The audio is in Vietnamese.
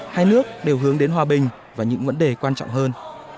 hai nước đều hướng đến hòa bình và những vấn đề quan trọng hơn